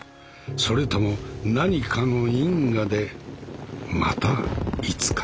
それとも何かの因果でまたいつか。